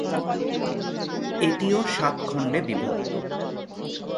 এটিও সাত খণ্ডে বিভক্ত।